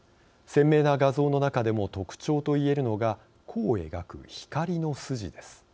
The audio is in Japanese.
鮮明な画像の中でも特徴といえるのが弧を描く光の筋です。